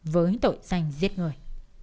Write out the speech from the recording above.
với tội danh giết người